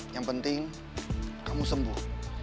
yang penting kamu sembuh